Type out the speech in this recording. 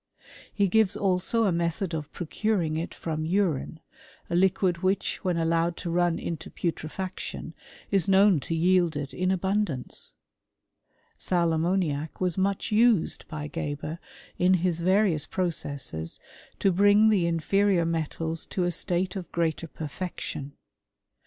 He gives also a method of procuring it from urine, a liquid which, when allowed to run into putre faction, is known to yield it in abundance Sal ammoniac was much used by Geber, in his various processes to bring the inferior metals to a state of greater perfection.